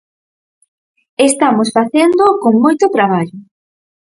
Estamos facéndoo con moito traballo.